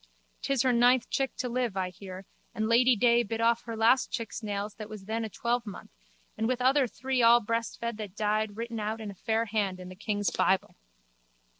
'Tis her ninth chick to live, I hear, and Lady day bit off her last chick's nails that was then a twelvemonth and with other three all breastfed that died written out in a fair hand in the king's bible.